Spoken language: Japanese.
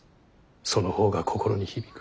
その方が心に響く。